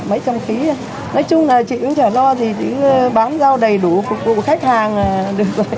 mấy trăm ký nói chung là chị cũng chả lo gì chỉ bán rau đầy đủ phục vụ khách hàng là được vậy